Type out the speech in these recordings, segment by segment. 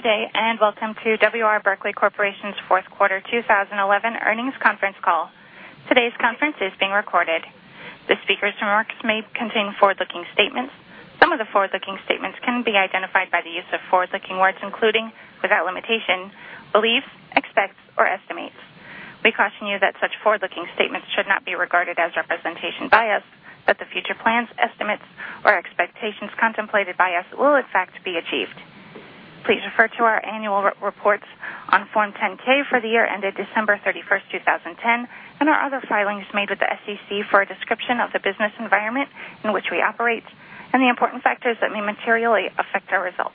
Good day. Welcome to W. R. Berkley Corporation's fourth quarter 2011 earnings conference call. Today's conference is being recorded. The speakers' remarks may contain forward-looking statements. Some of the forward-looking statements can be identified by the use of forward-looking words, including, without limitation, beliefs, expects, or estimates. We caution you that such forward-looking statements should not be regarded as representation by us that the future plans, estimates, or expectations contemplated by us will in fact be achieved. Please refer to our annual reports on Form 10-K for the year ended December 31st, 2010, and our other filings made with the SEC for a description of the business environment in which we operate and the important factors that may materially affect our results.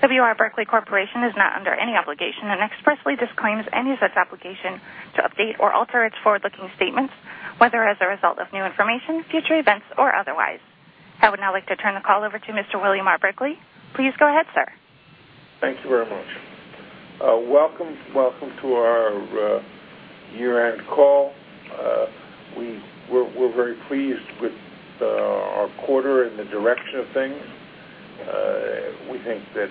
W. R. Berkley Corporation is not under any obligation and expressly disclaims any such obligation to update or alter its forward-looking statements, whether as a result of new information, future events, or otherwise. I would now like to turn the call over to Mr. William R. Berkley. Please go ahead, sir. Thank you very much. Welcome to our year-end call. We're very pleased with our quarter and the direction of things. We think that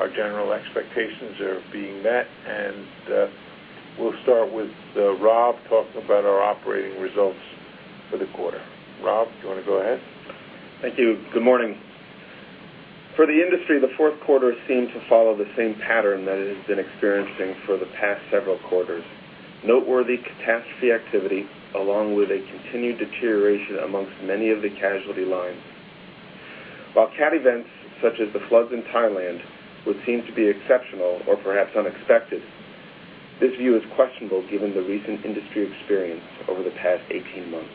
our general expectations are being met. We'll start with Rob talking about our operating results for the quarter. Rob, do you want to go ahead? Thank you. Good morning. For the industry, the fourth quarter seemed to follow the same pattern that it has been experiencing for the past several quarters. Noteworthy catastrophe activity, along with a continued deterioration amongst many of the casualty lines. While cat events such as the floods in Thailand would seem to be exceptional or perhaps unexpected, this view is questionable given the recent industry experience over the past 18 months.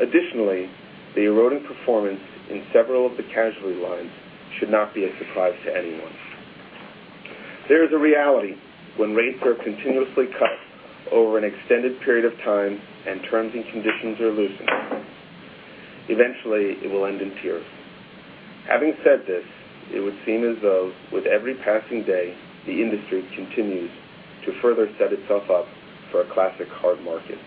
Additionally, the eroding performance in several of the casualty lines should not be a surprise to anyone. There is a reality when rates are continuously cut over an extended period of time and terms and conditions are loosened. Eventually, it will end in tears. Having said this, it would seem as though with every passing day, the industry continues to further set itself up for a classic hard market.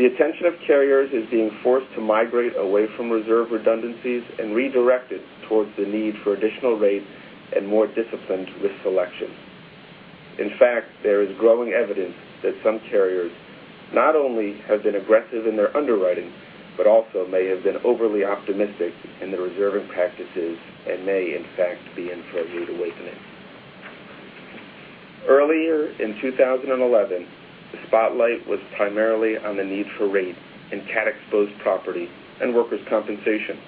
The attention of carriers is being forced to migrate away from reserve redundancies and redirected towards the need for additional rates and more disciplined risk selection. In fact, there is growing evidence that some carriers not only have been aggressive in their underwriting but also may have been overly optimistic in their reserving practices and may, in fact, be in for a rude awakening. Earlier in 2011, the spotlight was primarily on the need for rate in cat-exposed property and workers' compensation.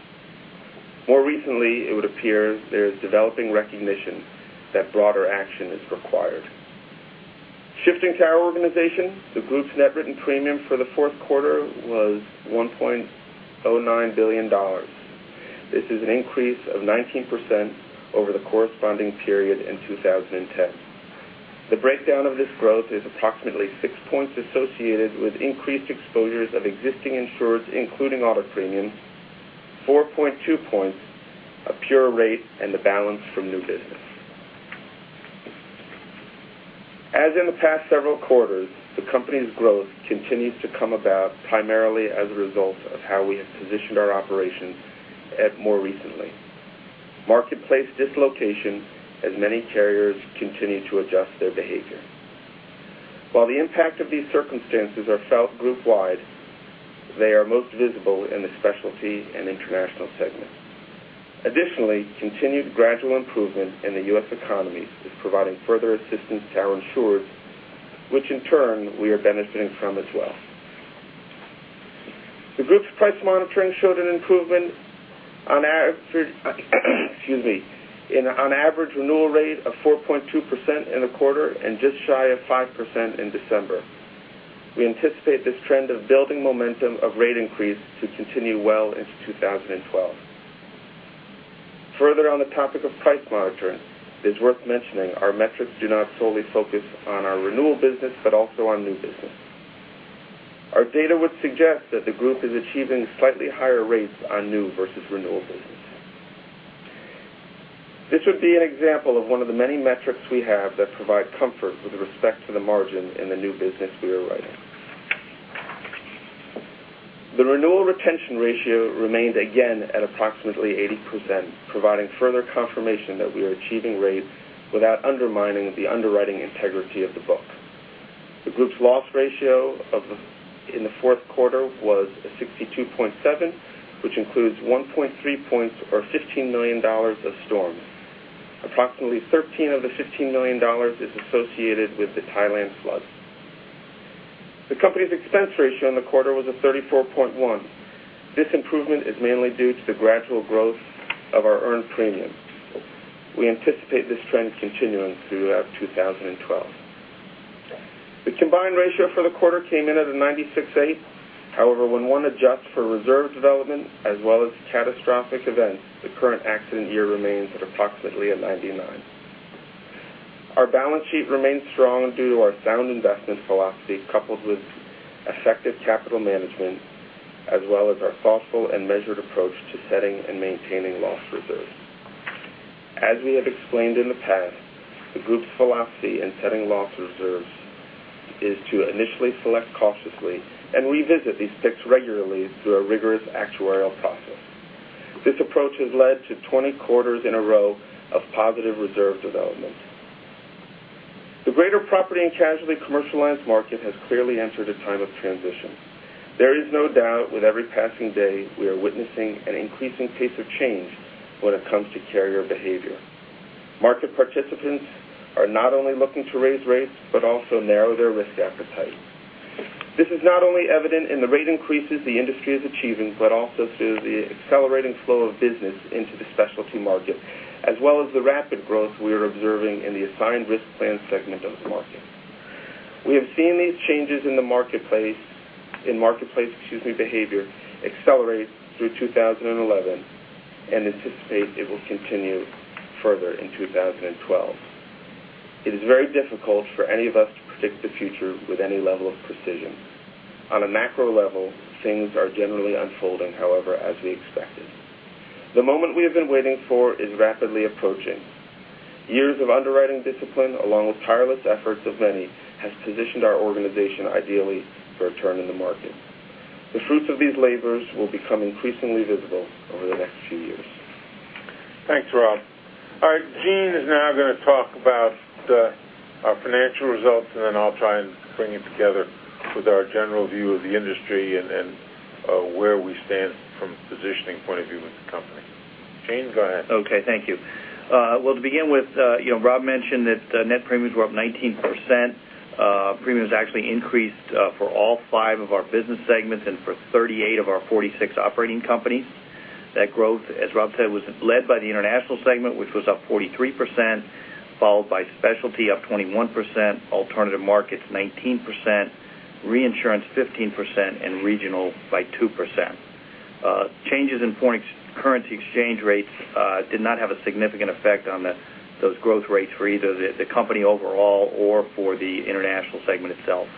More recently, it would appear there is developing recognition that broader action is required. Shifting to our organization, the group's net written premium for the fourth quarter was $1.09 billion. This is an increase of 19% over the corresponding period in 2010. The breakdown of this growth is approximately six points associated with increased exposures of existing insurers, including auto premiums, 4.2 points of pure rate, and the balance from new business. As in the past several quarters, the company's growth continues to come about primarily as a result of how we have positioned our operations more recently. Marketplace dislocation as many carriers continue to adjust their behavior. While the impact of these circumstances are felt group-wide, they are most visible in the specialty and international segments. Additionally, continued gradual improvement in the U.S. economy is providing further assistance to our insurers, which in turn we are benefiting from as well. The group's price monitoring showed an improvement on average renewal rate of 4.2% in the quarter and just shy of 5% in December. We anticipate this trend of building momentum of rate increase to continue well into 2012. Further on the topic of price monitoring, it's worth mentioning our metrics do not solely focus on our renewal business but also on new business. Our data would suggest that the group is achieving slightly higher rates on new versus renewal business. This would be an example of one of the many metrics we have that provide comfort with respect to the margin in the new business we are writing. The renewal retention ratio remained again at approximately 80%, providing further confirmation that we are achieving rates without undermining the underwriting integrity of the book. The group's loss ratio in the fourth quarter was 62.7, which includes 1.3 points or $15 million of storms. Approximately $13 million of the $15 million is associated with the Thailand floods. The company's expense ratio in the quarter was a 34.1. This improvement is mainly due to the gradual growth of our earned premium. We anticipate this trend continuing throughout 2012. The combined ratio for the quarter came in at a 96.8. However, when one adjusts for reserve development as well as catastrophic events, the current accident year remains at approximately a 99. Our balance sheet remains strong due to our sound investment philosophy, coupled with effective capital management as well as our thoughtful and measured approach to setting and maintaining loss reserves. As we have explained in the past, the group's philosophy in setting loss reserves is to initially select cautiously and revisit these picks regularly through a rigorous actuarial process. This approach has led to 20 quarters in a row of positive reserve development. The greater property and casualty commercial lines market has clearly entered a time of transition. There is no doubt with every passing day, we are witnessing an increasing pace of change when it comes to carrier behavior. Market participants are not only looking to raise rates but also narrow their risk appetite. This is not only evident in the rate increases the industry is achieving, but also through the accelerating flow of business into the specialty market, as well as the rapid growth we are observing in the assigned risk plan segment of the market. We have seen these changes in the marketplace behavior accelerate through 2011 and anticipate it will continue further in 2012. It is very difficult for any of us to predict the future with any level of precision. On a macro level, things are generally unfolding, however, as we expected. The moment we have been waiting for is rapidly approaching. Years of underwriting discipline, along with tireless efforts of many, has positioned our organization ideally for a turn in the market. The fruits of these labors will become increasingly visible over the next few years. Thanks, Rob. All right, Gene is now going to talk about our financial results, and then I'll try and bring it together with our general view of the industry and where we stand from a positioning point of view with the company. Gene, go ahead. Okay, thank you. Well, to begin with, Rob mentioned that net premiums were up 19%. Premiums actually increased for all five of our business segments and for 38 of our 46 operating companies. That growth, as Rob said, was led by the international segment, which was up 43%, followed by specialty up 21%, alternative markets 19%, reinsurance 15%, and regional by 2%. Changes in foreign currency exchange rates did not have a significant effect on those growth rates for either the company overall or for the international segment itself.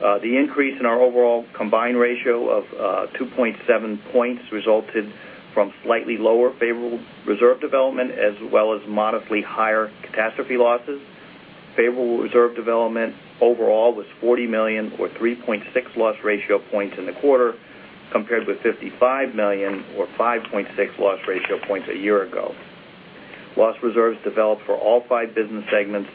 The increase in our overall combined ratio of 2.7 points resulted from slightly lower favorable reserve development as well as modestly higher catastrophe losses. Favorable reserve development overall was $40 million, or 3.6 loss ratio points in the quarter, compared with $55 million, or 5.6 loss ratio points a year ago. Loss reserves developed for all five business segments,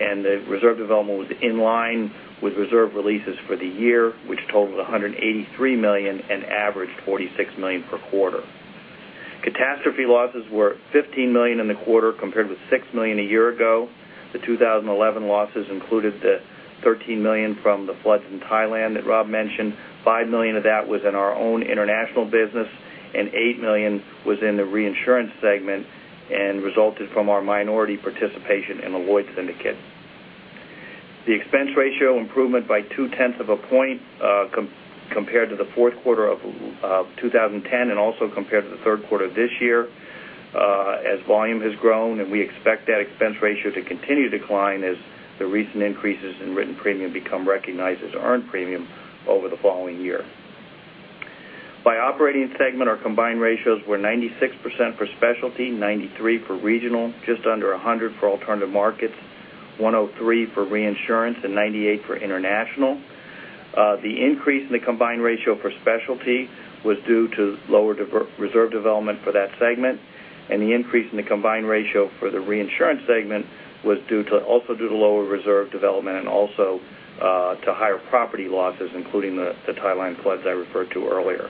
and the reserve development was in line with reserve releases for the year, which totaled $183 million and averaged $46 million per quarter. Catastrophe losses were $15 million in the quarter compared with $6 million a year ago. The 2011 losses included the $13 million from the floods in Thailand that Rob mentioned, $5 million of that was in our own international business, and $8 million was in the reinsurance segment and resulted from our minority participation in the Lloyd's Syndicate. The expense ratio improvement by two-tenths of a point compared to the fourth quarter of 2010 and also compared to the third quarter this year as volume has grown, and we expect that expense ratio to continue to decline as the recent increases in written premium become recognized as earned premium over the following year. By operating segment, our combined ratios were 96% for specialty, 93% for regional, just under 100% for alternative markets, 103% for reinsurance, and 98% for international. The increase in the combined ratio for specialty was due to lower reserve development for that segment, and the increase in the combined ratio for the reinsurance segment was also due to lower reserve development and also to higher property losses, including the Thailand floods I referred to earlier.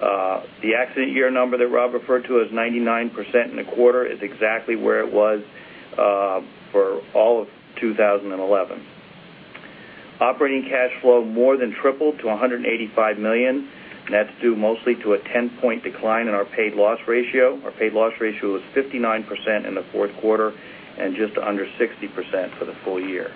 The accident year number that Rob referred to as 99% in the quarter is exactly where it was for all of 2011. Operating cash flow more than tripled to $185 million, and that's due mostly to a 10-point decline in our paid loss ratio. Our paid loss ratio was 59% in the fourth quarter and just under 60% for the full year.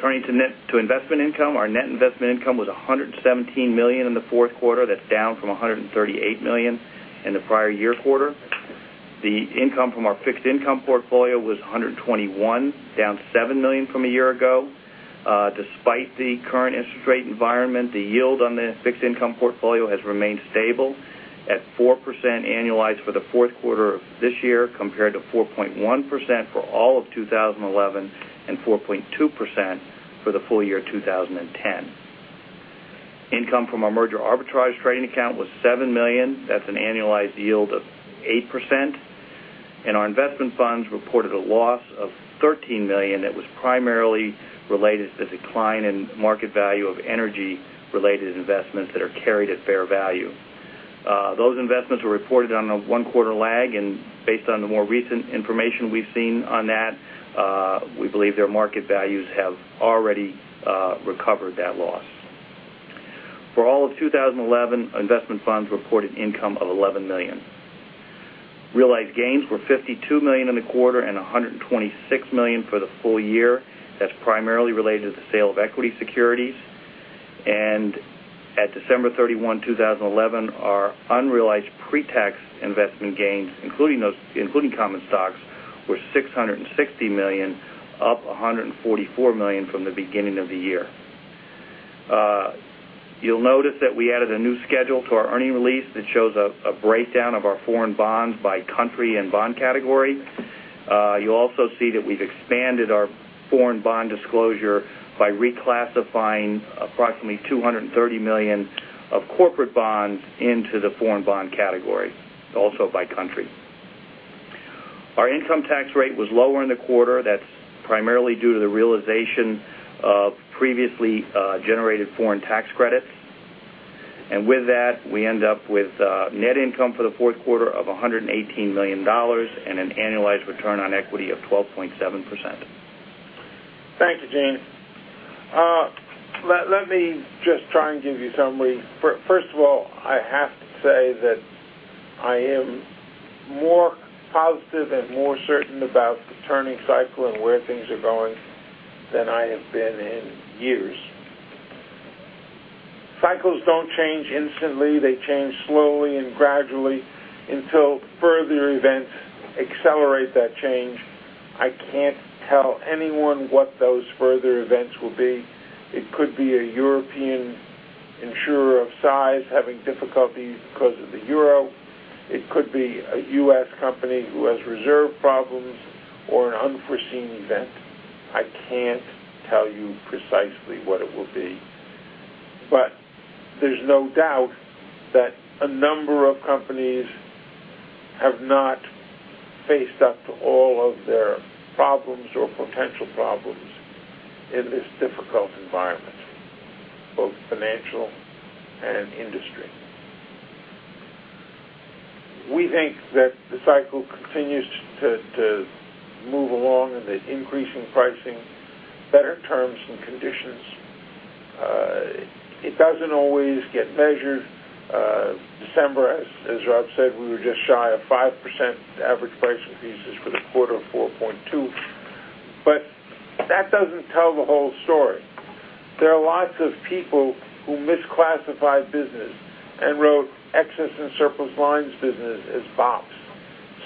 Turning to investment income, our net investment income was $117 million in the fourth quarter. That's down from $138 million in the prior year quarter. The income from our fixed income portfolio was $121 million, down $7 million from a year ago. Despite the current interest rate environment, the yield on the fixed income portfolio has remained stable at 4% annualized for the fourth quarter of this year, compared to 4.1% for all of 2011 and 4.2% for the full year 2010. Income from our merger arbitrage trading account was $7 million. That's an annualized yield of 8%, and our investment funds reported a loss of $13 million that was primarily related to the decline in market value of energy-related investments that are carried at fair value. Those investments were reported on a one-quarter lag, and based on the more recent information we've seen on that, we believe their market values have already recovered that loss. For all of 2011, investment funds reported income of $11 million. Realized gains were $52 million in the quarter and $126 million for the full year. That's primarily related to the sale of equity securities. At December 31, 2011, our unrealized pre-tax investment gains, including common stocks, were $660 million, up $144 million from the beginning of the year. You'll notice that we added a new schedule to our earnings release that shows a breakdown of our foreign bonds by country and bond category. You'll also see that we've expanded our foreign bond disclosure by reclassifying approximately $230 million of corporate bonds into the foreign bond category, also by country. Our income tax rate was lower in the quarter. That's primarily due to the realization of previously generated foreign tax credits. With that, we end up with net income for the fourth quarter of $118 million and an annualized return on equity of 12.7%. Thank you, Gene. Let me just try and give you summary. First of all, I have to say that I am more positive and more certain about the turning cycle and where things are going than I have been in years. Cycles don't change instantly. They change slowly and gradually until further events accelerate that change. I can't tell anyone what those further events will be. It could be a European insurer of size having difficulties because of the euro. It could be a U.S. company who has reserve problems or an unforeseen event. I can't tell you precisely what it will be. There's no doubt that a number of companies have not faced up to all of their problems or potential problems in this difficult environment, both financial and industry. We think that the cycle continues to move along and that increasing pricing, better terms and conditions, it doesn't always get measured. December, as Rob said, we were just shy of 5% average price increases for the quarter of 4.2%. That doesn't tell the whole story. There are lots of people who misclassify business and wrote excess and surplus lines business as BOPs.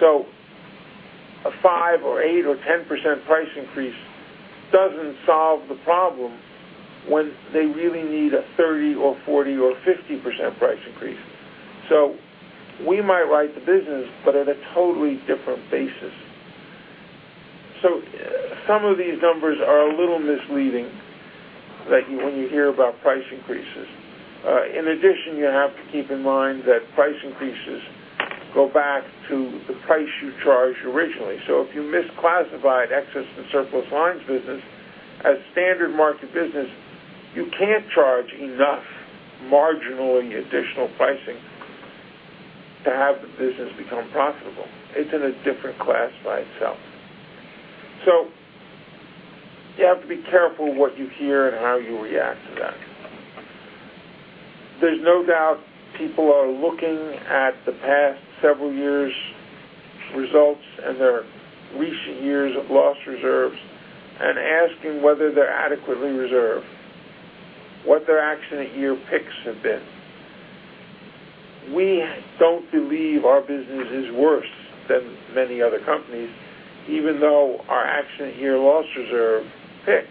A 5% or 8% or 10% price increase doesn't solve the problem when they really need a 30% or 40% or 50% price increase. We might write the business but at a totally different basis. Some of these numbers are a little misleading, like when you hear about price increases. In addition, you have to keep in mind that price increases go back to the price you charged originally. If you misclassified excess and surplus lines business as standard market business, you can't charge enough marginal in the additional pricing to have the business become profitable. It's in a different class by itself. You have to be careful what you hear and how you react to that. There's no doubt people are looking at the past several years' results and their recent years of loss reserves and asking whether they're adequately reserved, what their accident year picks have been. We don't believe our business is worse than many other companies, even though our accident year loss reserve picks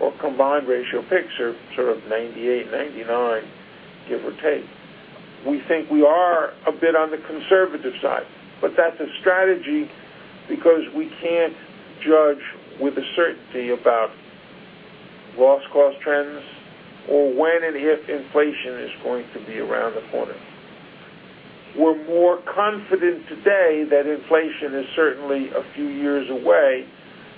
or combined ratio picks are sort of 98%, 99%, give or take. We think we are a bit on the conservative side, that's a strategy because we can't judge with a certainty about loss cost trends or when and if inflation is going to be around the corner. We're more confident today that inflation is certainly a few years away,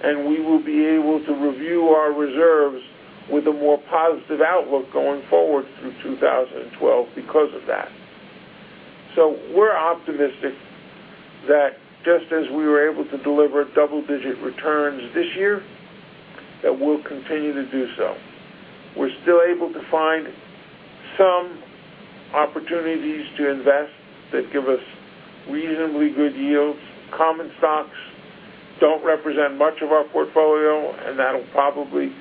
and we will be able to review our reserves with a more positive outlook going forward through 2012 because of that. We're optimistic that just as we were able to deliver double-digit returns this year, that we'll continue to do so. We're still able to find some opportunities to invest that give us reasonably good yields. Common stocks don't represent much of our portfolio, and that'll probably,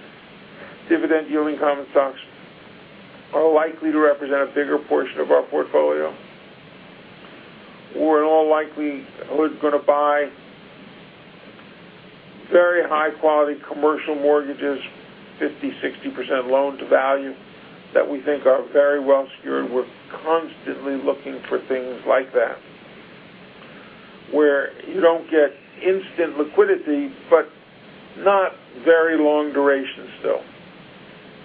dividend-yielding common stocks are likely to represent a bigger portion of our portfolio. We're in all likelihood going to buy very high-quality commercial mortgages, 50%-60% loan to value that we think are very well secured. We're constantly looking for things like that, where you don't get instant liquidity, but not very long duration still.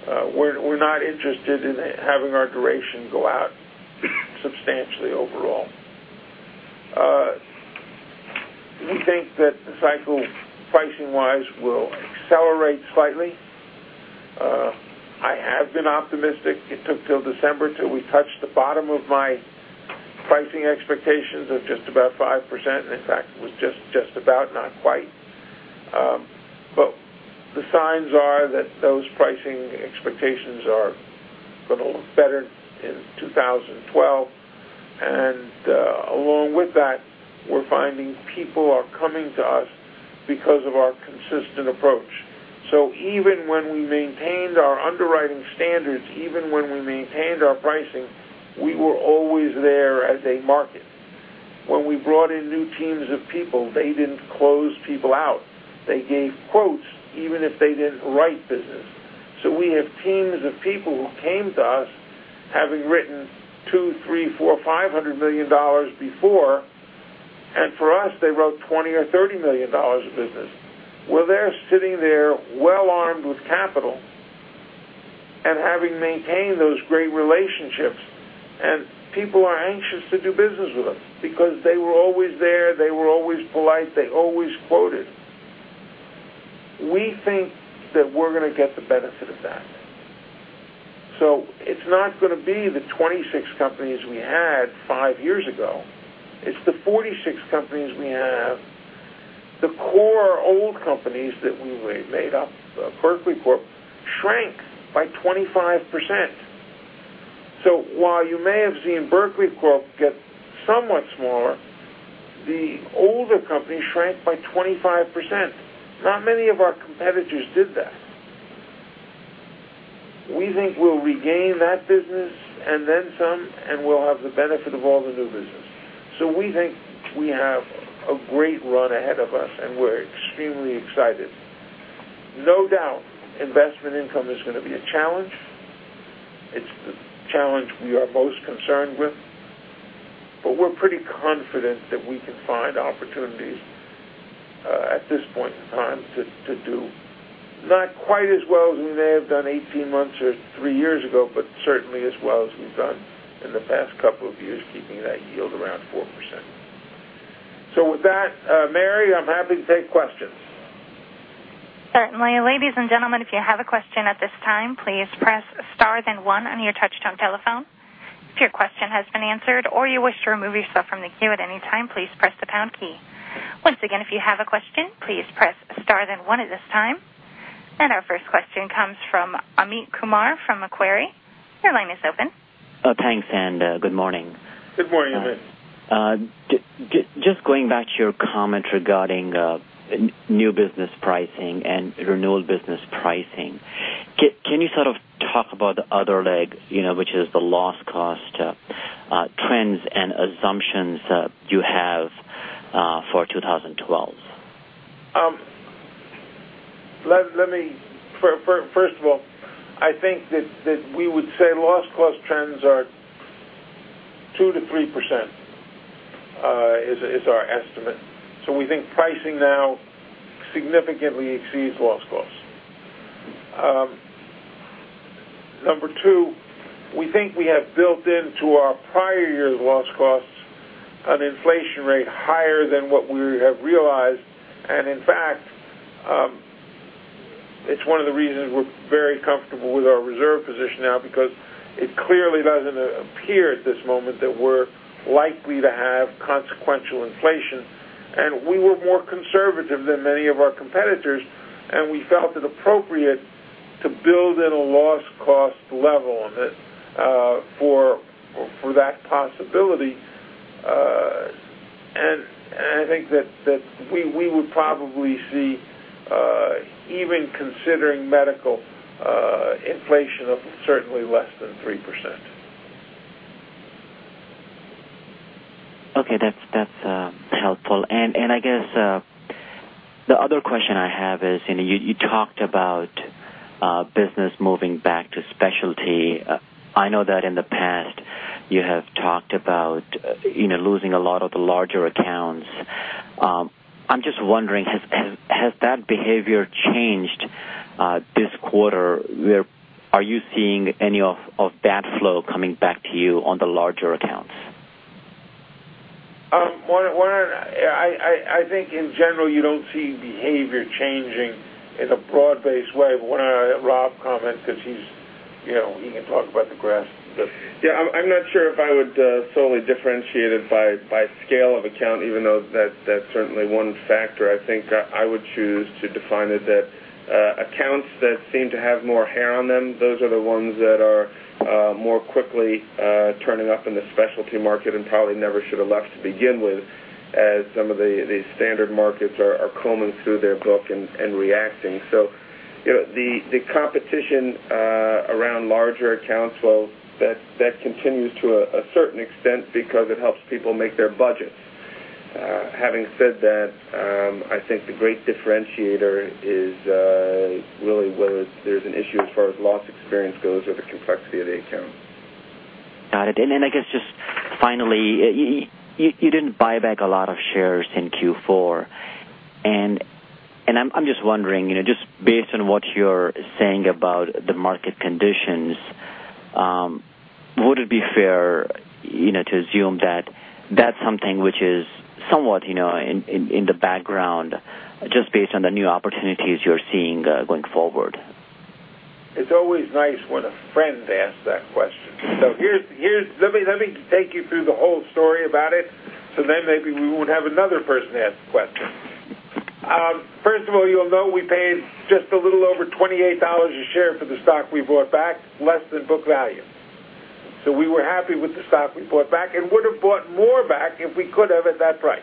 We're not interested in having our duration go out substantially overall. We think that the cycle pricing wise will accelerate slightly. I have been optimistic. It took till December till we touched the bottom of my pricing expectations of just about 5%. In fact, it was just about, not quite. The signs are that those pricing expectations are going to look better in 2012, and along with that, we're finding people are coming to us because of our consistent approach. Even when we maintained our underwriting standards, even when we maintained our pricing, we were always there as a market. When we brought in new teams of people, they didn't close people out. They gave quotes even if they didn't write business. We have teams of people who came to us having written $200 million, $300 million, $400 million, $500 million before, and for us, they wrote $20 million or $30 million of business. Well, they're sitting there well-armed with capital and having maintained those great relationships, and people are anxious to do business with them because they were always there, they were always polite, they always quoted. We think that we're going to get the benefit of that. It's not going to be the 26 companies we had five years ago. It's the 46 companies we have. The core old companies that made up Berkley Corp shrank by 25%. While you may have seen Berkley Corp get somewhat smaller, the older companies shrank by 25%. Not many of our competitors did that. We think we'll regain that business and then some, and we'll have the benefit of all the new business. We think we have a great run ahead of us and we're extremely excited. No doubt, investment income is going to be a challenge. It's the challenge we are most concerned with, we're pretty confident that we can find opportunities, at this point in time, to do not quite as well as we may have done 18 months or three years ago, but certainly as well as we've done in the past couple of years, keeping that yield around 4%. With that, Karen, I'm happy to take questions. Certainly. Ladies and gentlemen, if you have a question at this time, please press star then one on your touchtone telephone. If your question has been answered or you wish to remove yourself from the queue at any time, please press the pound key. Once again, if you have a question, please press star then one at this time. Our first question comes from Amit Kumar from Macquarie. Your line is open. Thanks, and good morning. Good morning, Amit. Just going back to your comment regarding new business pricing and renewal business pricing, can you sort of talk about the other leg, which is the loss cost trends and assumptions you have for 2012? First of all, I think that we would say loss cost trends are 2%-3%, is our estimate. We think pricing now significantly exceeds loss costs. Number two, we think we have built into our prior year's loss costs an inflation rate higher than what we have realized, and in fact, it's one of the reasons we're very comfortable with our reserve position now, because it clearly doesn't appear at this moment that we're likely to have consequential inflation. We were more conservative than many of our competitors, and we felt it appropriate to build in a loss cost level on it for that possibility. I think that we would probably see, even considering medical inflation, certainly less than 3%. Okay. That's helpful. I guess the other question I have is, you talked about business moving back to specialty. I know that in the past you have talked about losing a lot of the larger accounts. I'm just wondering, has that behavior changed this quarter? Are you seeing any of that flow coming back to you on the larger accounts? I think in general, you don't see behavior changing in a broad-based way. Why don't I let Rob comment because he can talk about the graphs. Yeah, I'm not sure if I would solely differentiate it by scale of account, even though that's certainly one factor. I think I would choose to define it that accounts that seem to have more hair on them, those are the ones that are more quickly turning up in the specialty market and probably never should have left to begin with, as some of the standard markets are combing through their book and reacting. The competition around larger accounts, well, that continues to a certain extent because it helps people make their budgets. Having said that, I think the great differentiator is really whether there's an issue as far as loss experience goes or the complexity of the account. Got it. I guess just finally, you didn't buy back a lot of shares in Q4. I'm just wondering, just based on what you're saying about the market conditions, would it be fair to assume that that's something which is somewhat in the background, just based on the new opportunities you're seeing going forward? It's always nice when a friend asks that question. Let me take you through the whole story about it, maybe we won't have another person ask the question. First of all, you'll know we paid just a little over $28 a share for the stock we bought back, less than book value. We were happy with the stock we bought back and would've bought more back if we could have at that price.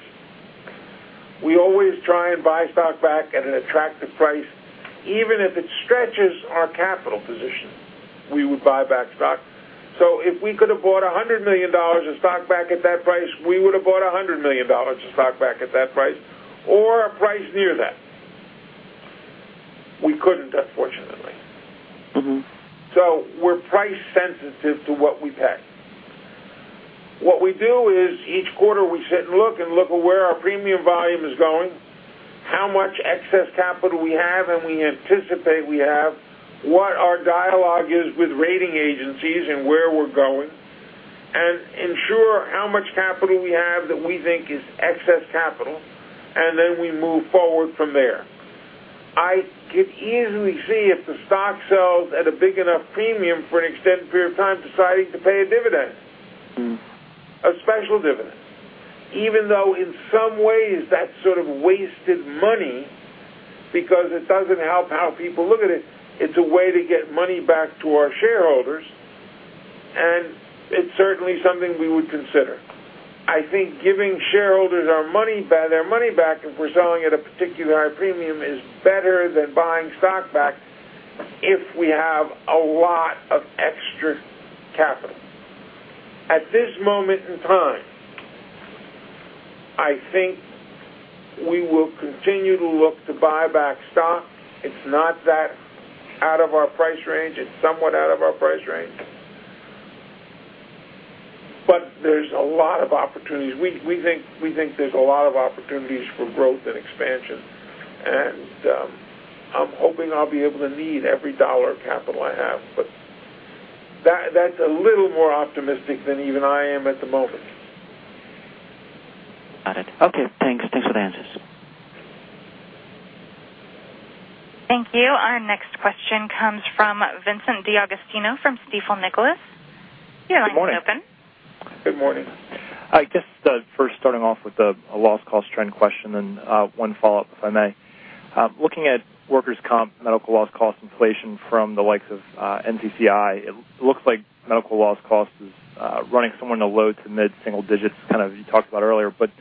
We always try and buy stock back at an attractive price. Even if it stretches our capital position, we would buy back stock. If we could have bought $100 million of stock back at that price, we would have bought $100 million of stock back at that price or a price near that. We couldn't, unfortunately. We're price sensitive to what we pay. What we do is each quarter we sit and look at where our premium volume is going, how much excess capital we have and we anticipate we have, what our dialogue is with rating agencies and where we're going, and ensure how much capital we have that we think is excess capital, we move forward from there. I could easily see if the stock sells at a big enough premium for an extended period of time, deciding to pay a dividend. A special dividend. Even though in some ways that sort of wasted money because it doesn't help how people look at it's a way to get money back to our shareholders, it's certainly something we would consider. I think giving shareholders their money back if we're selling at a particularly high premium is better than buying stock back if we have a lot of extra capital. At this moment in time, I think we will continue to look to buy back stock. It's not that out of our price range. It's somewhat out of our price range. There's a lot of opportunities. We think there's a lot of opportunities for growth and expansion, I'm hoping I'll be able to need every dollar of capital I have, but that's a little more optimistic than even I am at the moment. Got it. Okay, thanks. Thanks for the answers. Thank you. Our next question comes from Vincent D'Agostino from Stifel Nicolaus. Your line is open. Good morning. I guess, first starting off with a loss cost trend question and one follow-up, if I may. Looking at workers' comp medical loss cost inflation from the likes of NCCI, it looks like medical loss cost is running somewhere in the low to mid-single digits, kind of you talked about earlier, but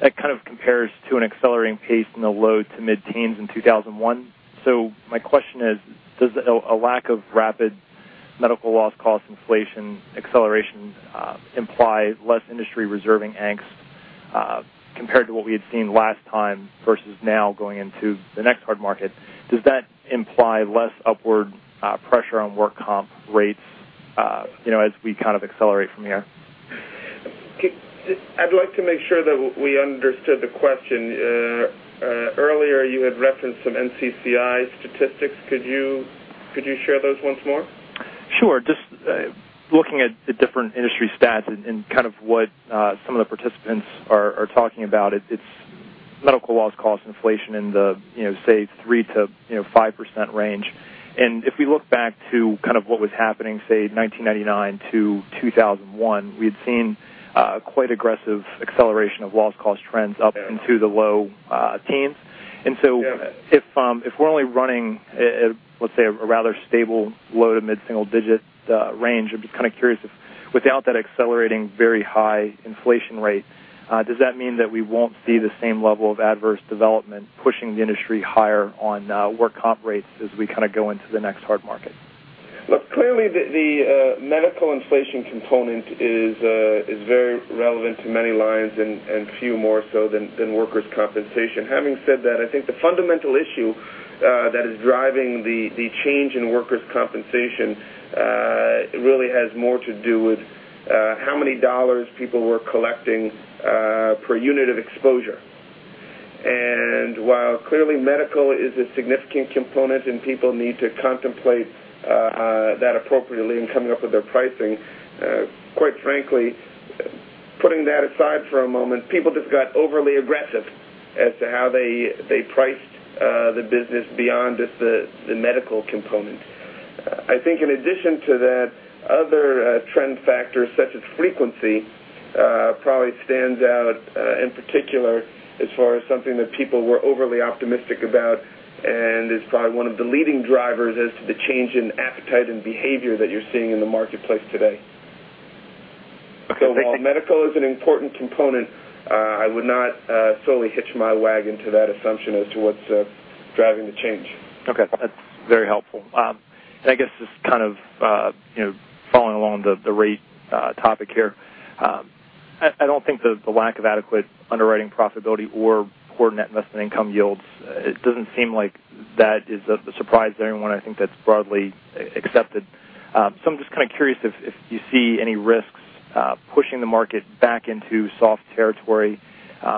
that kind of compares to an accelerating pace in the low to mid-teens in 2001. My question is, does a lack of rapid medical loss cost inflation acceleration imply less industry reserving angst, compared to what we had seen last time versus now going into the next hard market? Does that imply less upward pressure on work comp rates as we kind of accelerate from here? I'd like to make sure that we understood the question. Earlier, you had referenced some NCCI statistics. Could you share those once more? Sure. Just looking at the different industry stats and kind of what some of the participants are talking about, it's medical loss cost inflation in the say, 3%-5% range. If we look back to kind of what was happening, say, 1999 to 2001, we had seen quite aggressive acceleration of loss cost trends up into the low teens. If we're only running, let's say, a rather stable low to mid-single digit range, I'm just kind of curious if without that accelerating very high inflation rate, does that mean that we won't see the same level of adverse development pushing the industry higher on work comp rates as we kind of go into the next hard market? Look, clearly, the medical inflation component is very relevant to many lines and few more so than workers' compensation. Having said that, I think the fundamental issue that is driving the change in workers' compensation really has more to do with how many dollars people were collecting per unit of exposure. While clearly medical is a significant component and people need to contemplate that appropriately in coming up with their pricing, quite frankly, putting that aside for a moment, people just got overly aggressive as to how they priced the business beyond just the medical component. I think in addition to that, other trend factors such as frequency probably stands out in particular as far as something that people were overly optimistic about and is probably one of the leading drivers as to the change in appetite and behavior that you're seeing in the marketplace today. Okay. While medical is an important component, I would not solely hitch my wagon to that assumption as to what's driving the change. Okay. That's very helpful. I guess just kind of following along the rate topic here. I don't think the lack of adequate underwriting profitability or poor net investment income yields, it doesn't seem like that is a surprise to anyone. I think that's broadly accepted. I'm just kind of curious if you see any risks pushing the market back into soft territory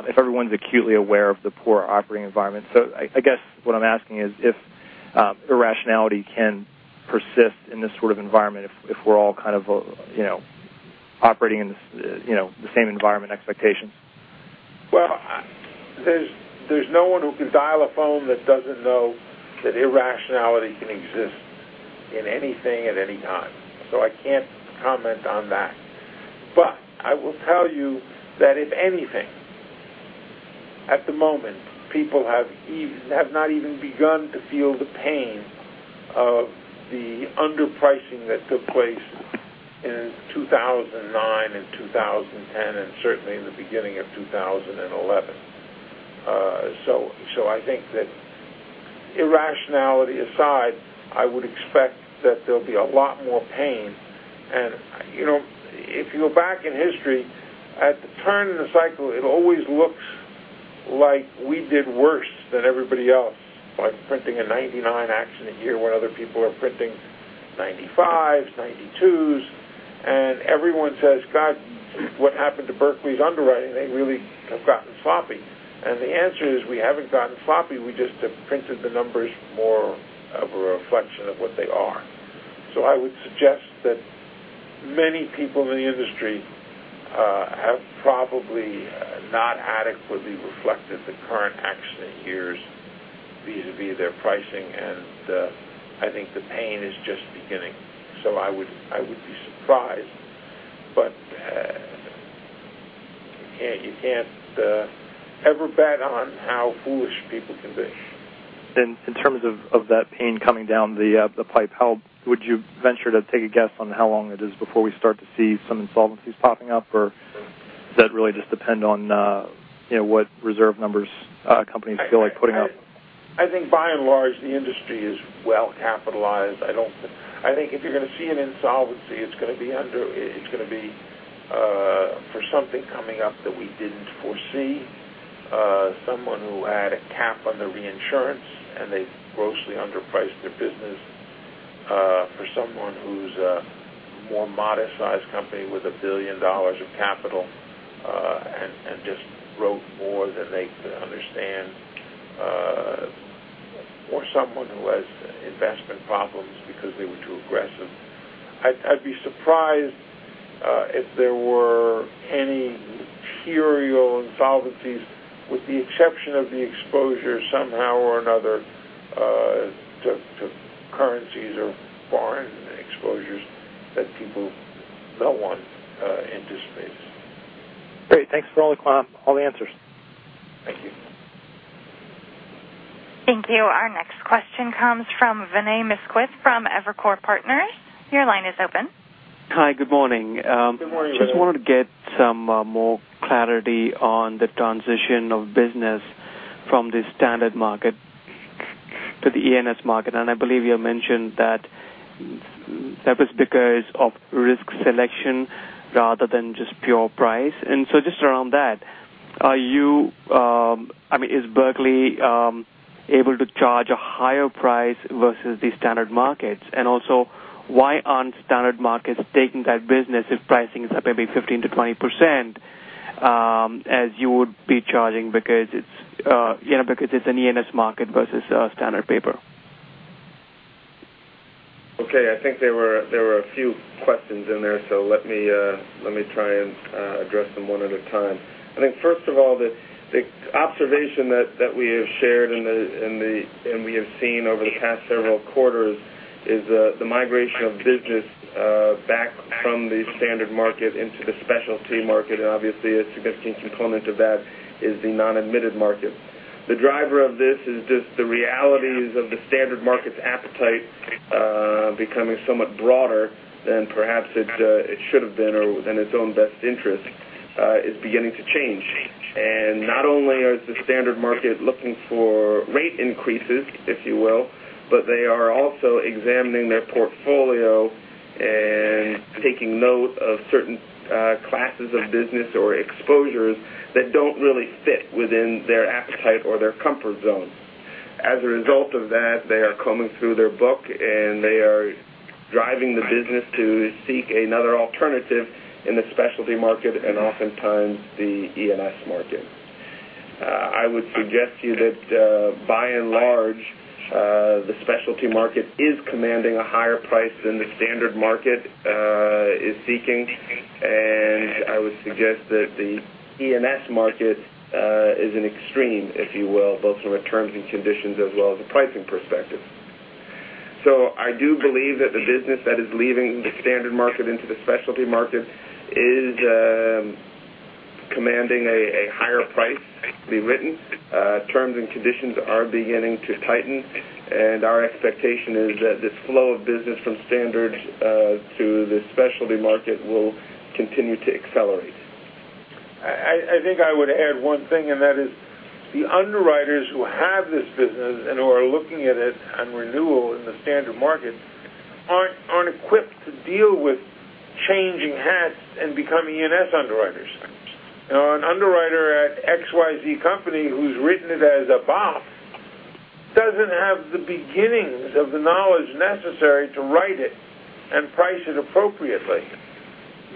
if everyone's acutely aware of the poor operating environment. I guess what I'm asking is if irrationality can persist in this sort of environment if we're all kind of operating in the same environment expectations. There's no one who can dial a phone that doesn't know that irrationality can exist in anything at any time. I can't comment on that. I will tell you that if anything, at the moment, people have not even begun to feel the pain of the underpricing that took place in 2009 and 2010, and certainly in the beginning of 2011. I think that irrationality aside, I would expect that there'll be a lot more pain. If you go back in history, at the turn of the cycle, it always looks like we did worse than everybody else by printing a 99 accident year when other people are printing 95s, 92s. Everyone says, "God, what happened to Berkley's underwriting? They really have gotten sloppy." The answer is, we haven't gotten sloppy. We just have printed the numbers more of a reflection of what they are. I would suggest that many people in the industry have probably not adequately reflected the current accident years vis-a-vis their pricing, and I think the pain is just beginning. I would be surprised, but you can't ever bet on how foolish people can be. In terms of that pain coming down the pipe, would you venture to take a guess on how long it is before we start to see some insolvencies popping up, or does that really just depend on what reserve numbers companies feel like putting up? I think by and large, the industry is well capitalized. I think if you're going to see an insolvency, it's going to be for something coming up that we didn't foresee. Someone who had a cap on their reinsurance, and they grossly underpriced their business. For someone who's a more modest-sized company with $1 billion of capital and just wrote more than they could understand. Someone who has investment problems because they were too aggressive. I'd be surprised if there were any serial insolvencies, with the exception of the exposure somehow or another to currencies or foreign exposures that people, no one anticipates. Great. Thanks for all the answers. Thank you. Thank you. Our next question comes from Vinay Misquith from Evercore Partners. Your line is open. Hi, good morning. Good morning to you. Just wanted to get some more clarity on the transition of business from the standard market to the ENS market. I believe you mentioned that that was because of risk selection rather than just pure price. Just around that, is Berkley able to charge a higher price versus the standard markets? Also, why aren't standard markets taking that business if pricing is up maybe 15%-20%, as you would be charging because it's an ENS market versus a standard paper? Okay. I think there were a few questions in there, let me try and address them one at a time. I think first of all, the observation that we have shared and we have seen over the past several quarters is the migration of business back from the standard market into the specialty market, obviously, a significant component of that is the non-admitted market. The driver of this is just the realities of the standard market's appetite becoming somewhat broader than perhaps it should've been or than its own best interest is beginning to change. Not only is the standard market looking for rate increases, if you will, but they are also examining their portfolio and taking note of certain classes of business or exposures that don't really fit within their appetite or their comfort zone. As a result of that, they are combing through their book, they are driving the business to seek another alternative in the specialty market and oftentimes the ENS market. I would suggest to you that, by and large, the specialty market is commanding a higher price than the standard market is seeking, I would suggest that the ENS market is an extreme, if you will, both from a terms and conditions as well as a pricing perspective. I do believe that the business that is leaving the standard market into the specialty market is commanding a higher price to be written. Terms and conditions are beginning to tighten, our expectation is that this flow of business from standard to the specialty market will continue to accelerate. I think I would add one thing, and that is the underwriters who have this business and who are looking at it on renewal in the standard market aren't equipped to deal with changing hats and becoming ENS underwriters. An underwriter at XYZ company who's written it as a BOP doesn't have the beginnings of the knowledge necessary to write it and price it appropriately.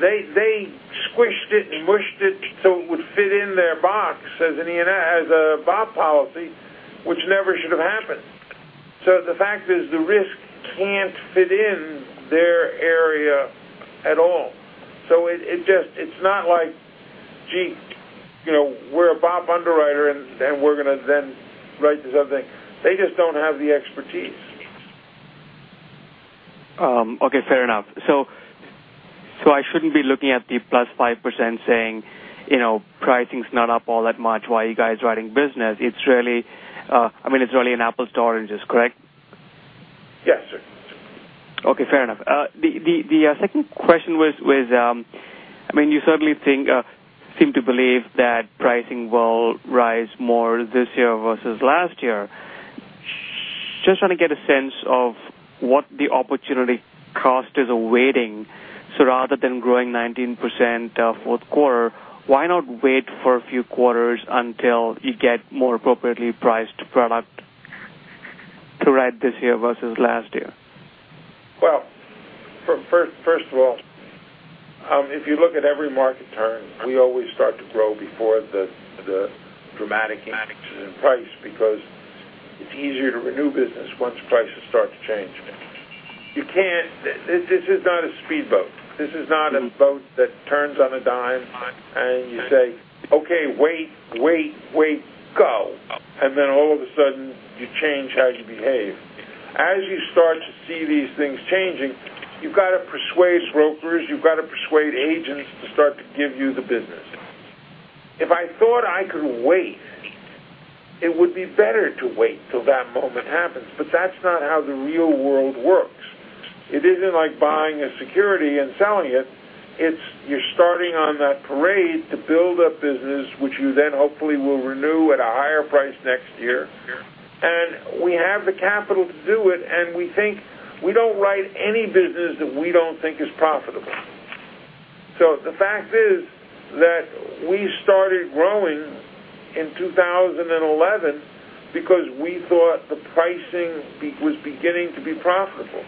They squished it and mushed it so it would fit in their box as a BOP policy, which never should have happened. The fact is, the risk can't fit in their area at all. It's not like, gee, we're a BOP underwriter, and we're going to then write this other thing. They just don't have the expertise. Okay, fair enough. I shouldn't be looking at the plus 5% saying, pricing's not up all that much. Why are you guys writing business? I mean, it's really an apples to oranges, correct? Yes, sir. Okay, fair enough. The second question was, you certainly seem to believe that pricing will rise more this year versus last year. Just trying to get a sense of what the opportunity cost is of waiting. Rather than growing 19% fourth quarter, why not wait for a few quarters until you get more appropriately priced product to write this year versus last year? Well, first of all, if you look at every market turn, we always start to grow before the dramatic increase in price, because it's easier to renew business once prices start to change. This is not a speedboat. This is not a boat that turns on a dime, and you say, "Okay, wait, wait, go." Then all of a sudden, you change how you behave. As you start to see these things changing, you've got to persuade brokers, you've got to persuade agents to start to give you the business. If I thought I could wait, it would be better to wait till that moment happens. That's not how the real world works. It isn't like buying a security and selling it. It's you starting on that parade to build a business, which you then hopefully will renew at a higher price next year. Sure. We have the capital to do it, and we don't write any business that we don't think is profitable. The fact is that we started growing in 2011 because we thought the pricing was beginning to be profitable,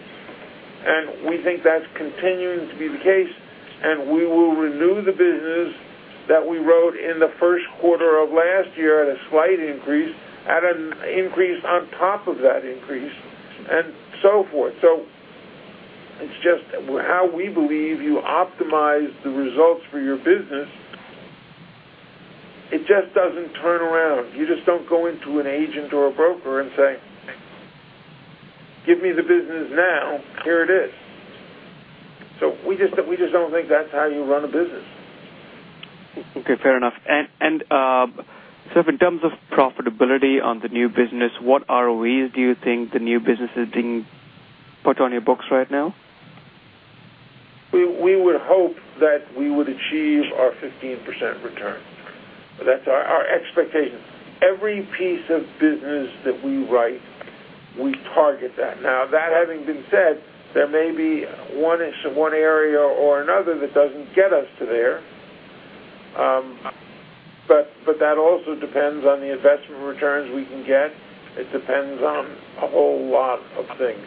and we think that's continuing to be the case, and we will renew the business that we wrote in the first quarter of last year at a slight increase, at an increase on top of that increase, and so forth. It's just how we believe you optimize the results for your business. It just doesn't turn around. You just don't go into an agent or a broker and say, "Give me the business now. Here it is." We just don't think that's how you run a business. Okay, fair enough. If in terms of profitability on the new business, what ROEs do you think the new business is being put on your books right now? We would hope that we would achieve our 15% return. That's our expectation. Every piece of business that we write, we target that. That having been said, there may be one area or another that doesn't get us to there. That also depends on the investment returns we can get. It depends on a whole lot of things.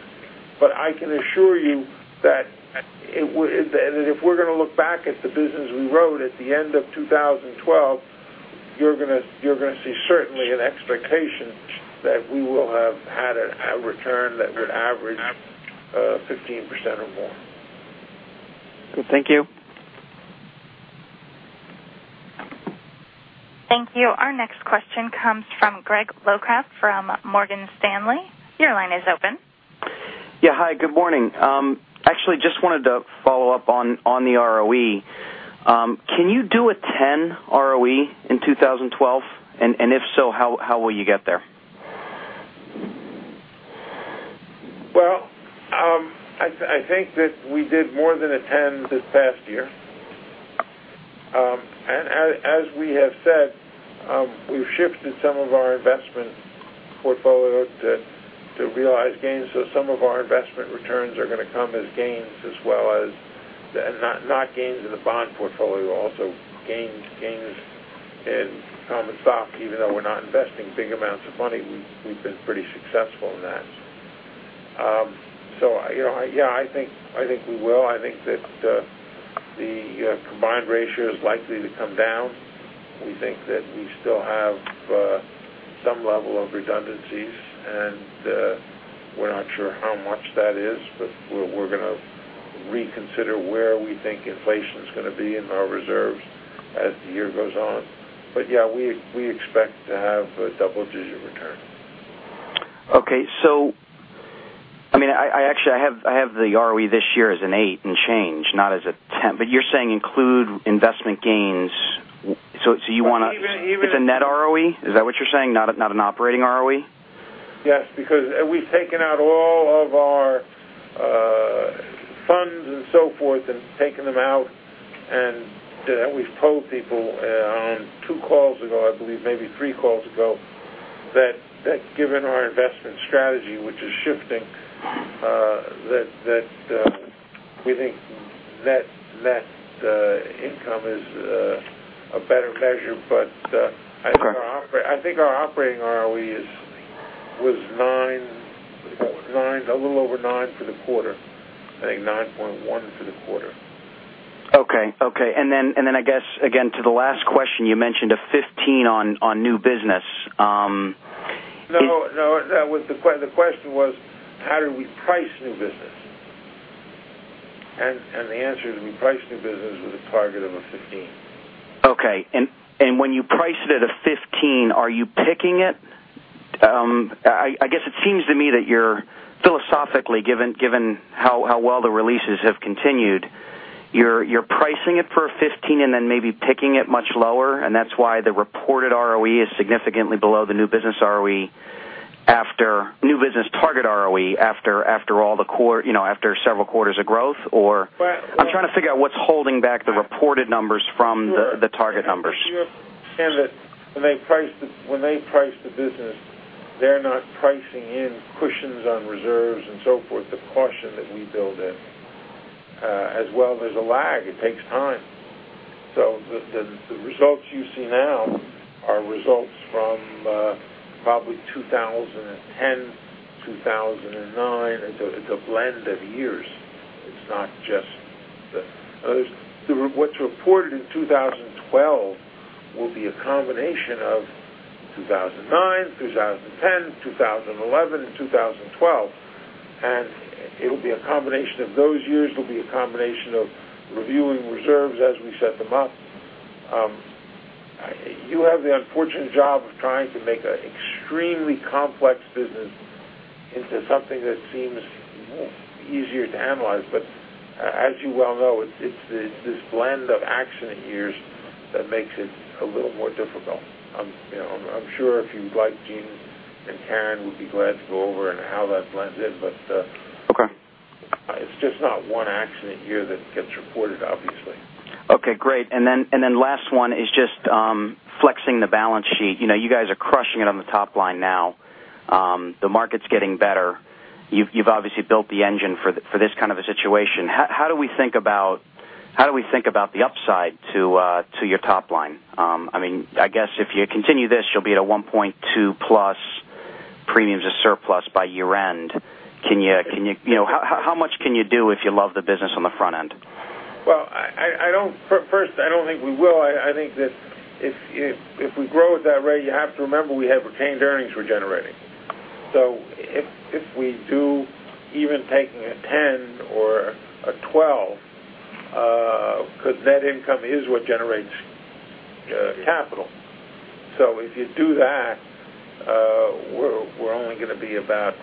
I can assure you that if we're going to look back at the business we wrote at the end of 2012, you're going to see certainly an expectation that we will have had a return that would average 15% or more. Good. Thank you. Thank you. Our next question comes from Greg Locraft from Morgan Stanley. Your line is open. Yeah, hi, good morning. Actually just wanted to follow up on the ROE. Can you do a 10 ROE in 2012? If so, how will you get there? Well, I think that we did more than a 10 this past year. As we have said, we've shifted some of our investment portfolio to realize gains. Some of our investment returns are going to come as gains as well as, not gains in the bond portfolio, also gains in common stock. Even though we're not investing big amounts of money, we've been pretty successful in that. Yeah, I think we will. I think that the combined ratio is likely to come down. We think that we still have some level of redundancies, and we're not sure how much that is, but we're going to reconsider where we think inflation's going to be in our reserves as the year goes on. Yeah, we expect to have a double-digit return. Okay. I actually have the ROE this year as an eight and change, not as a 10, you're saying include investment gains. It's a net ROE? Is that what you're saying? Not an operating ROE? Yes, because we've taken out all of our funds and so forth and taken them out, we've told people on two calls ago, I believe, maybe three calls ago, that given our investment strategy, which is shifting, that we think net income is a better measure. I think our operating ROE was a little over nine for the quarter, I think 9.1 for the quarter. Okay. I guess, again, to the last question, you mentioned a 15 on new business. No, the question was, how do we price new business? The answer is we price new business with a target of a 15. Okay. When you price it at a 15, are you picking it? I guess it seems to me that you're prophetically, given how well the releases have continued, you're pricing it for a 15 and then maybe picking it much lower, and that's why the reported ROE is significantly below the new business target ROE after several quarters of growth? I'm trying to figure what's holding back the reported numbers from the target numbers. Sure. You have to understand that when they price the business, they're not pricing in cushions on reserves and so forth, the caution that we build in. As well, there's a lag. It takes time. The results you see now are results from probably 2010, 2009. It's a blend of years. What's reported in 2012 will be a combination of 2009, 2010, 2011, and 2012. It'll be a combination of those years. It'll be a combination of reviewing reserves as we set them up. You have the unfortunate job of trying to make an extremely complex business into something that seems easier to analyze. As you well know, it's this blend of accident years that makes it a little more difficult. I'm sure if you'd like, Gene and Karen would be glad to go over on how that blends in. Okay It's just not one accident year that gets reported, obviously. Okay, great. Last one is just flexing the balance sheet. You guys are crushing it on the top line now. The market's getting better. You've obviously built the engine for this kind of a situation. How do we think about the upside to your top line? I guess if you continue this, you'll be at a 1.2-plus premiums of surplus by year-end. How much can you do if you love the business on the front end? First, I don't think we will. I think that if we grow at that rate, you have to remember, we have retained earnings we're generating. If we do even taking a 10 or a 12, because net income is what generates capital. If you do that, we're only going to be about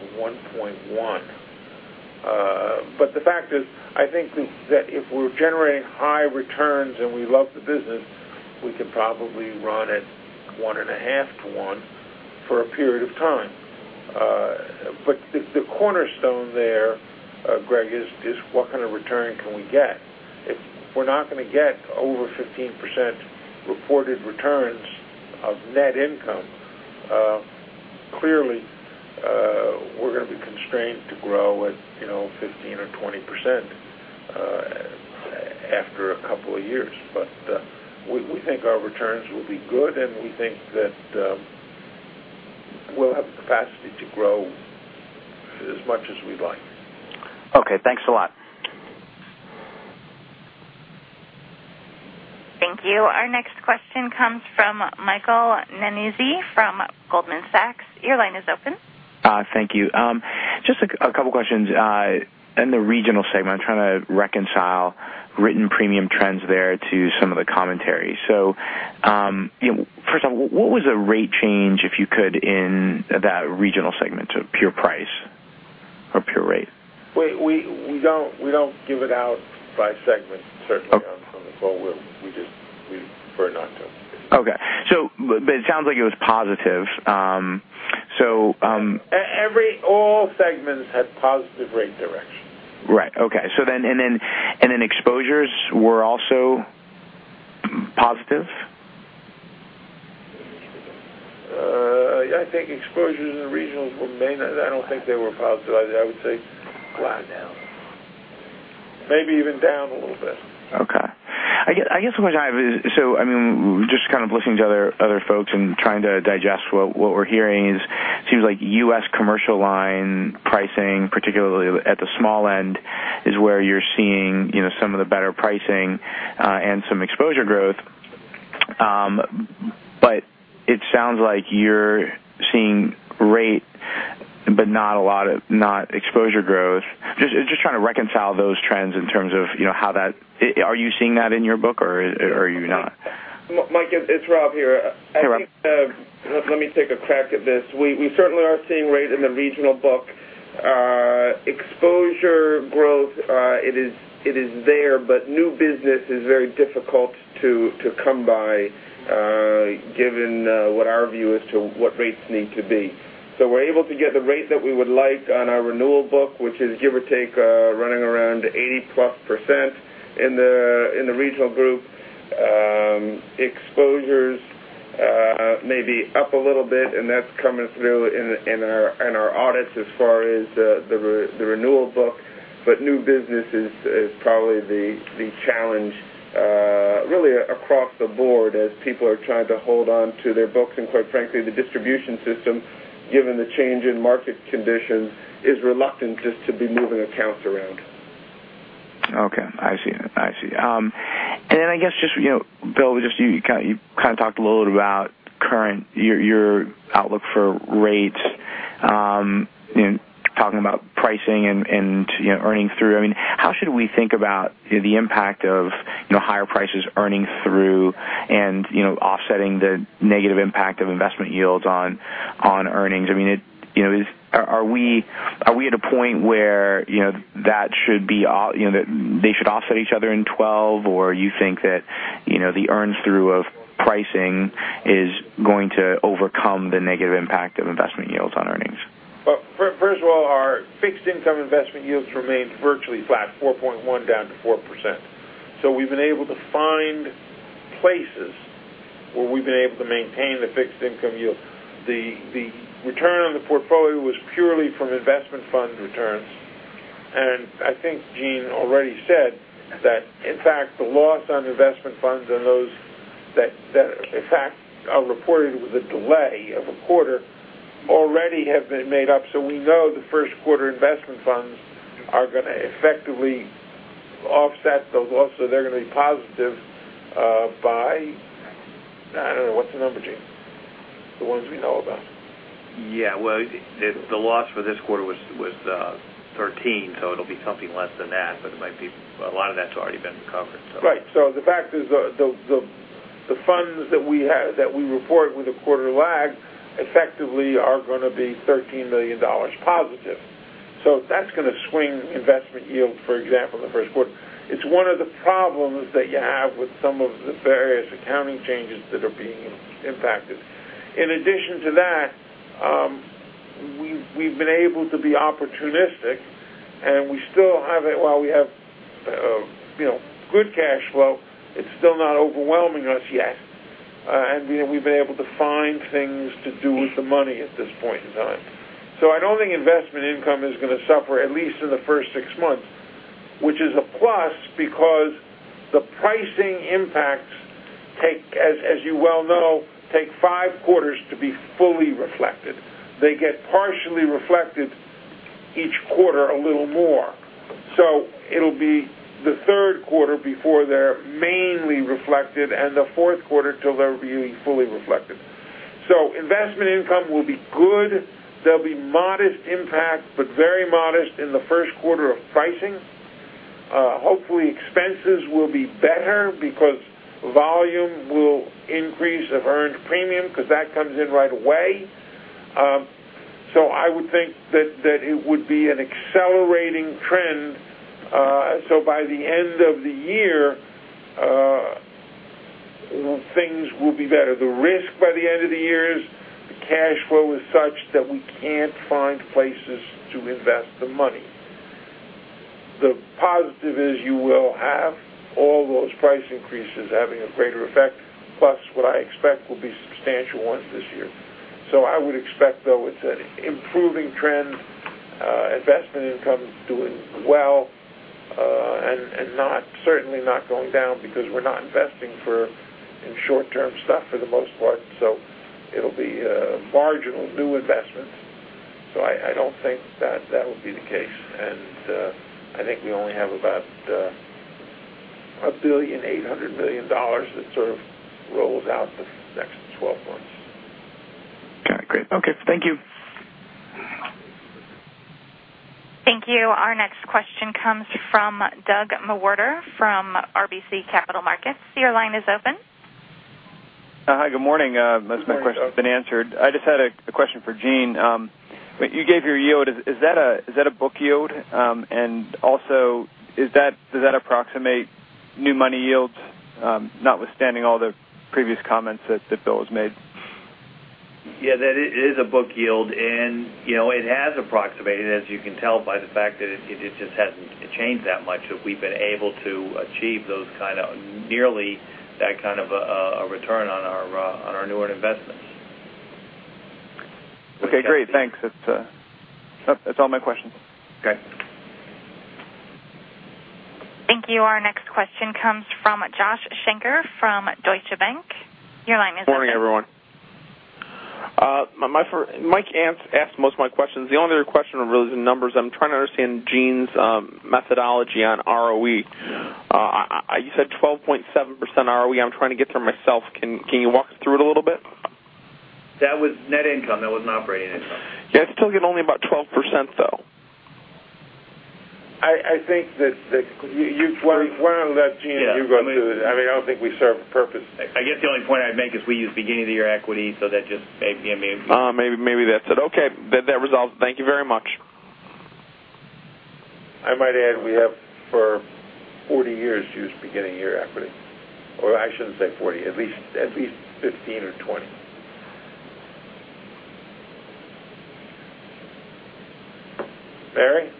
1.1. The fact is, I think that if we're generating high returns and we love the business, we can probably run at 1.5 to 1 for a period of time. The cornerstone there, Greg, is what kind of return can we get? If we're not going to get over 15% reported returns of net income, clearly, we're going to be constrained to grow at 15% or 20% after a couple of years. We think our returns will be good, and we think that we'll have the capacity to grow as much as we'd like. Okay, thanks a lot. Thank you. Our next question comes from Michael Nannizzi from Goldman Sachs. Your line is open. Thank you. Just a couple questions. In the regional segment, I'm trying to reconcile written premium trends there to some of the commentary. First of all, what was the rate change, if you could, in that regional segment to pure price or pure rate? We don't give it out by segment, certainly on the phone. We prefer not to. Okay. It sounds like it was positive. All segments had positive rate direction. Right. Okay. Then exposures were also positive? I think exposures in the regionals were mainly, I don't think they were positive. I would say flat. Maybe even down a little bit. Okay. I guess what I have is, just kind of listening to other folks and trying to digest what we're hearing is, seems like U.S. commercial line pricing, particularly at the small end, is where you're seeing some of the better pricing and some exposure growth. It sounds like you're seeing rate but not exposure growth. Just trying to reconcile those trends. Are you seeing that in your book, or are you not? Mike, it's Rob here. Hey, Rob. Let me take a crack at this. We certainly are seeing rate in the regional book. Exposure growth it is there, new business is very difficult to come by given what our view as to what rates need to be. We're able to get the rate that we would like on our renewal book, which is give or take, running around 80%+ in the regional group. Exposures may be up a little bit, that's coming through in our audits as far as the renewal book. New business is probably the challenge really across the board as people are trying to hold on to their books. Quite frankly, the distribution system, given the change in market conditions, is reluctant just to be moving accounts around. Okay. I see. I guess just, Bill, you kind of talked a little bit about your outlook for rates, talking about pricing and earning through. How should we think about the impact of higher prices earning through and offsetting the negative impact of investment yields on earnings? Are we at a point where they should offset each other in 2012? You think that the earn through of pricing is going to overcome the negative impact of investment yields on earnings? Well, first of all, our fixed income investment yields remained virtually flat, 4.1% down to 4%. We've been able to find places where we've been able to maintain the fixed income yield. The return on the portfolio was purely from investment fund returns. I think Gene already said that, in fact, the loss on investment funds and those that, in fact, are reported with a delay of a quarter, already have been made up. We know the first quarter investment funds are going to effectively offset those losses. They're going to be positive by, I don't know, what's the number, Gene? The ones we know about. Yeah. Well, the loss for this quarter was $13, so it'll be something less than that, but a lot of that's already been recovered. Right. The fact is, the funds that we report with a quarter lag effectively are going to be $13 million positive. That's going to swing investment yield, for example, in the first quarter. It's one of the problems that you have with some of the various accounting changes that are being impacted. In addition to that, we've been able to be opportunistic, and while we have good cash flow, it's still not overwhelming us yet. We've been able to find things to do with the money at this point in time. I don't think investment income is going to suffer, at least in the first six months, which is a plus because the pricing impacts, as you well know, take five quarters to be fully reflected. They get partially reflected each quarter a little more. It'll be the third quarter before they're mainly reflected and the fourth quarter till they're being fully reflected. Investment income will be good. There'll be modest impact, but very modest in the first quarter of pricing. Hopefully, expenses will be better because volume will increase of earned premium because that comes in right away. I would think that it would be an accelerating trend. By the end of the year, things will be better. The risk by the end of the year is the cash flow is such that we can't find places to invest the money. The positive is you will have all those price increases having a greater effect, plus what I expect will be substantial ones this year. I would expect, though, it's an improving trend, investment income's doing well, and certainly not going down because we're not investing in short-term stuff for the most part. It'll be marginal new investments. I don't think that that would be the case, and I think we only have about $800 million that sort of rolls out the next 12 months. Got it. Great. Okay. Thank you. Thank you. Our next question comes from Doug McGregor from RBC Capital Markets. Your line is open. Hi, good morning. Good morning, Doug. Most of my questions have been answered. I just had a question for Gene. You gave your yield. Is that a book yield? Also, does that approximate new money yields, notwithstanding all the previous comments that Bill has made? Yeah, that is a book yield, it has approximated, as you can tell by the fact that it just hasn't changed that much, that we've been able to achieve nearly that kind of a return on our newer investments. Okay, great. Thanks. That's all my questions. Okay. Thank you. Our next question comes from Joshua Shanker from Deutsche Bank. Your line is open. Morning, everyone. Mike asked most of my questions. The only other question really is in numbers. I'm trying to understand Gene's methodology on ROE. You said 12.7% ROE. I'm trying to get there myself. Can you walk us through it a little bit? That was net income. That wasn't operating income. Yeah, it's still only about 12%, though. I think that why don't I let Gene go through it. I don't think we serve a purpose. I guess the only point I'd make is we use beginning of the year equity, so that just maybe. Maybe that's it. Okay. That resolves it. Thank you very much. I might add, we have for 40 years used beginning of year equity. Or I shouldn't say 40, at least 15 or 20. Barry?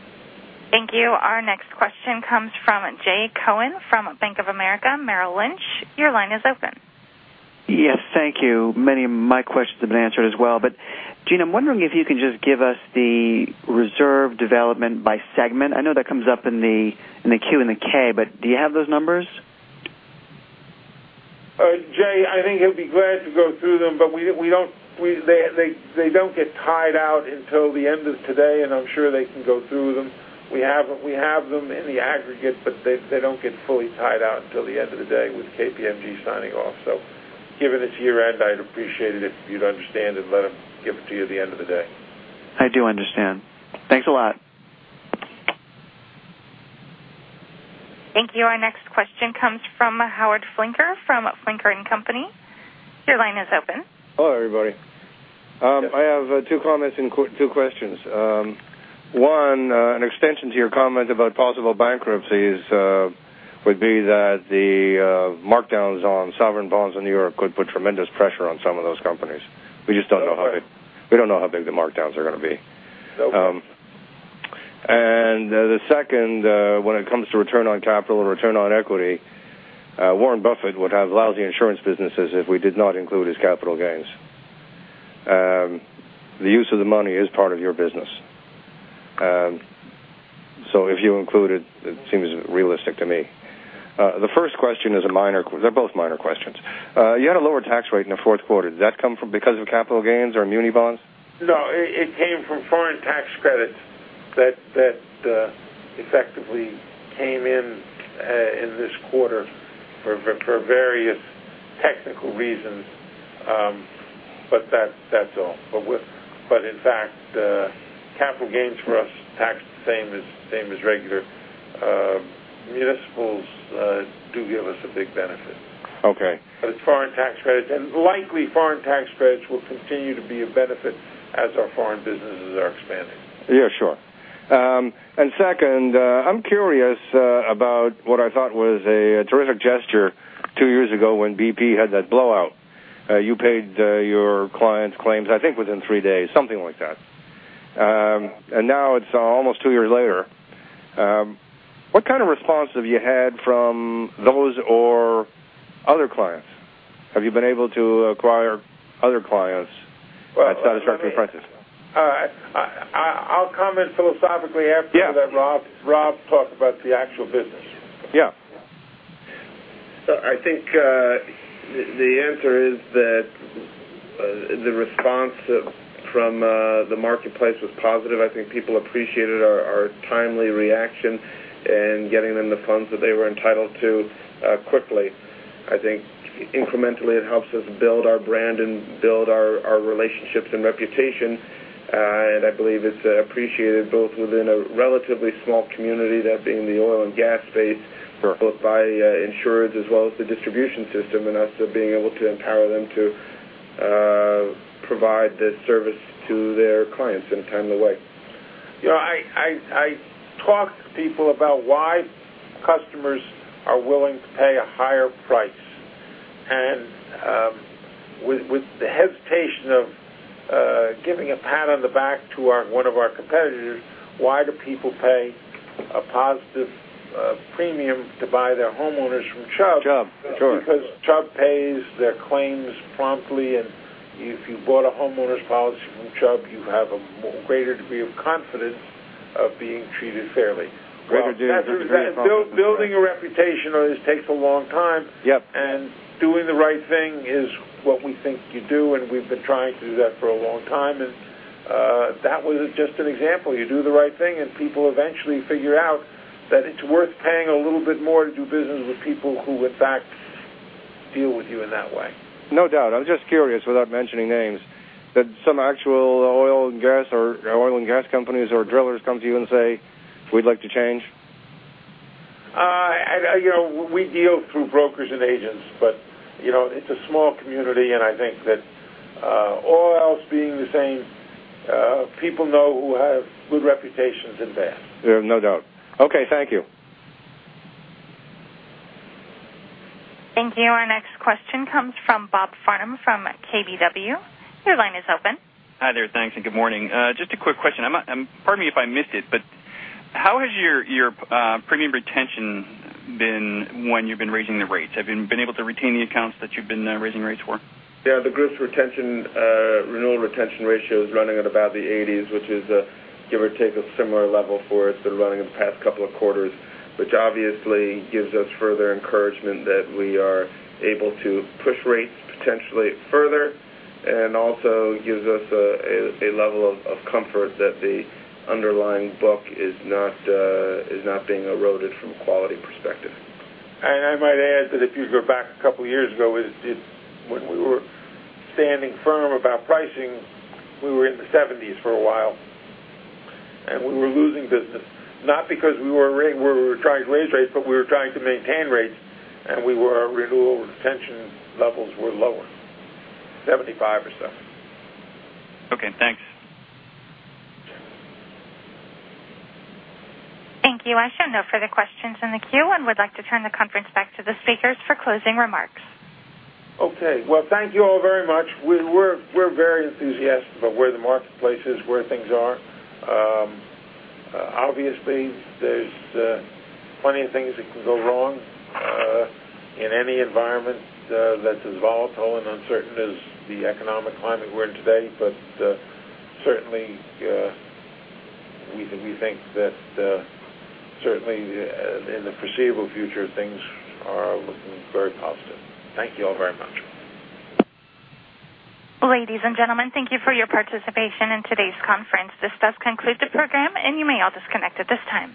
Thank you. Our next question comes from Jay Cohen from Bank of America Merrill Lynch. Your line is open. Yes, thank you. Many of my questions have been answered as well. Gene, I'm wondering if you can just give us the reserve development by segment. I know that comes up in the Q and the K, but do you have those numbers? Jay, I think he'll be glad to go through them, they don't get tied out until the end of today, I'm sure they can go through them. We have them in the aggregate, they don't get fully tied out until the end of the day with KPMG signing off. Given it's year-end, I'd appreciate it if you'd understand and let him give it to you at the end of the day. I do understand. Thanks a lot. Thank you. Our next question comes from Howard Flinker from Flinker & Co. Your line is open. Hello, everybody. I have two comments and two questions. One, an extension to your comment about possible bankruptcies would be that the markdowns on sovereign bonds in New York could put tremendous pressure on some of those companies. We just don't know how big the markdowns are going to be. Nope. The second, when it comes to return on capital and return on equity, Warren Buffett would have lousy insurance businesses if we did not include his capital gains. The use of the money is part of your business. If you include it seems realistic to me. The first question is a minor, they're both minor questions. You had a lower tax rate in the fourth quarter. Did that come from because of capital gains or muni bonds? No, it came from foreign tax credits that effectively came in in this quarter for various technical reasons, but that's all. In fact, capital gains for us taxed the same as regular municipals do give us a big benefit. Okay. It's foreign tax credits, and likely foreign tax credits will continue to be a benefit as our foreign businesses are expanding. Yeah, sure. Second, I'm curious about what I thought was a terrific gesture two years ago when BP had that blowout. You paid your clients' claims, I think within three days, something like that. Now it's almost two years later. What kind of response have you had from those or other clients? Have you been able to acquire other clients at satisfactory prices? I'll comment philosophically after. Yeah that Rob talk about the actual business. Yeah. I think the answer is that the response from the marketplace was positive. I think people appreciated our timely reaction and getting them the funds that they were entitled to quickly. I think incrementally it helps us build our brand and build our relationships and reputation. I believe it's appreciated both within a relatively small community, that being the oil and gas space. Sure both by insurers as well as the distribution system and us being able to empower them to provide this service to their clients in a timely way. I talk to people about why customers are willing to pay a higher price. With the hesitation of giving a pat on the back to one of our competitors, why do people pay a positive premium to buy their homeowners from Chubb? Chubb. Sure. Because Chubb pays their claims promptly, and if you bought a homeowners policy from Chubb, you have a greater degree of confidence of being treated fairly. Greater due diligence. Building a reputation always takes a long time. Yep. Doing the right thing is what we think you do, and we've been trying to do that for a long time. That was just an example. You do the right thing, and people eventually figure out that it's worth paying a little bit more to do business with people who, in fact, deal with you in that way. No doubt. I was just curious, without mentioning names, that some actual oil and gas companies or drillers come to you and say, "We'd like to change. We deal through brokers and agents, but it's a small community, and I think that all else being the same, people know who have good reputations and bad. Yeah, no doubt. Okay, thank you. Thank you. Our next question comes from Robert Farnam from KBW. Your line is open. Hi there. Thanks and good morning. Just a quick question. Pardon me if I missed it, but how has your premium retention been when you've been raising the rates? Have you been able to retain the accounts that you've been raising rates for? Yeah, the group's renewal retention ratio is running at about the 80s, which is, give or take, a similar level for us been running in the past couple of quarters, which obviously gives us further encouragement that we are able to push rates potentially further. Also gives us a level of comfort that the underlying book is not being eroded from a quality perspective. I might add that if you go back a couple of years ago, when we were standing firm about pricing, we were in the 70s for a while, and we were losing business. Not because we were trying to raise rates, but we were trying to maintain rates, and our renewal retention levels were lower, 75 or so. Okay, thanks. Thank you. I show no further questions in the queue and would like to turn the conference back to the speakers for closing remarks. Okay. Well, thank you all very much. We're very enthusiastic about where the marketplace is, where things are. Obviously, there's plenty of things that can go wrong in any environment that's as volatile and uncertain as the economic climate we're in today. Certainly, we think that certainly in the foreseeable future, things are looking very positive. Thank you all very much. Ladies and gentlemen, thank you for your participation in today's conference. This does conclude the program, and you may all disconnect at this time.